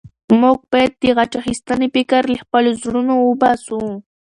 موږ باید د غچ اخیستنې فکر له خپلو زړونو وباسو.